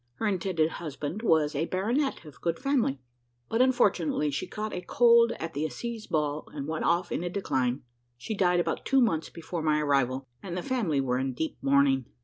Her intended husband was a baronet of good family; but unfortunately she caught a cold at the assize ball, and went off in a decline. She died about two months before my arrival, and the family were in deep mourning.